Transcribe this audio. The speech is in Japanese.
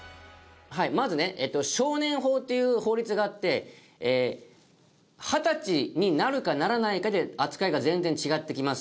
まずね少年法っていう法律があって二十歳になるかならないかで扱いが全然違ってきます。